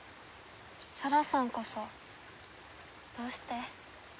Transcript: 沙羅さんこそどうして？